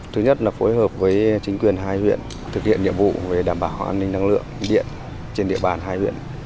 thứ nhất là phối hợp với chính quyền hai huyện thực hiện nhiệm vụ về đảm bảo an ninh năng lượng điện trên địa bàn hai huyện